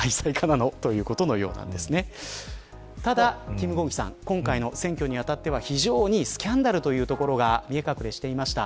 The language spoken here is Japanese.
金建希さん、今回の選挙にあたっては非常にスキャンダルが見え隠れしていました。